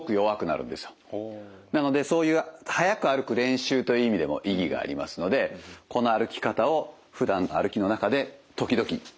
なのでそういう速く歩く練習という意味でも意義がありますのでこの歩き方をふだん歩きの中で時々。